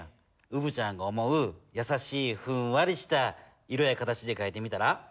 うぶちゃんが思うやさしいふんわりした色や形でかいてみたら？